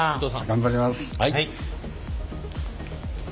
頑張ります。